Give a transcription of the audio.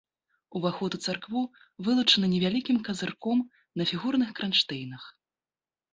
Уваход у царкву вылучаны невялікім казырком на фігурных кранштэйнах.